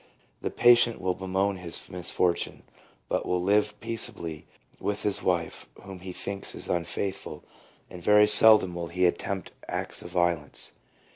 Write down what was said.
The patient will bemoan his misfortune, but will live peaceably with his wife, whom he thinks is unfaithful, and very seldom will he attempt acts of violence.